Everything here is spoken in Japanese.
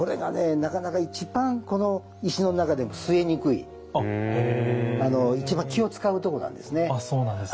なかなか一番この石の中でも据えにくい一番気を遣うとこなんですね。